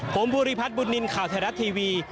ผมบุรีพัฒน์บุตนินข่าวไทยรัฐทีวี